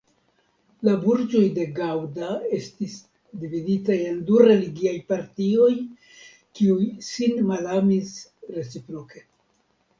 La burĝoj de Gaŭda estis dividitaj en du religiaj partioj, kiuj sin malamis reciproke.